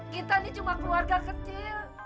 kita ini cuma keluarga kecil